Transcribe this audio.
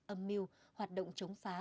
âm mưu hoạt động chống phá